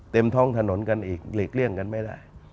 ท้องถนนกันอีกหลีกเลี่ยงกันไม่ได้